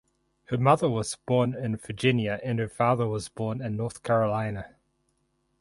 Her mother was born in Virginia and her father was born in North Carolina.